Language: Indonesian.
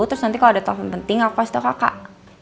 terus nanti kalo ada telfon penting aku kasih tau kakak